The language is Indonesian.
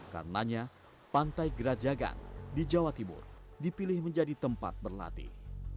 karenanya pantai gerajagan di jawa timur dipilih menjadi tempat berlatih